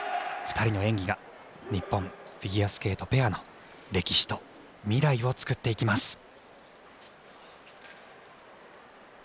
２人の演技が日本フィギュアスケートペアの歴史と未来を作っていきます。